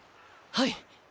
はい。